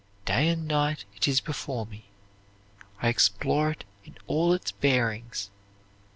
Day and night it is before me. I explore it in all its bearings.